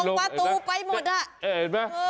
พอต้องปตูไปหมดอะ